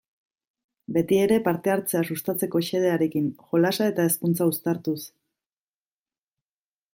Beti ere parte-hartzea sustatzeko xedearekin, jolasa eta hezkuntza uztartuz.